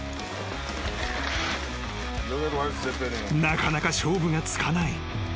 ［なかなか勝負がつかない］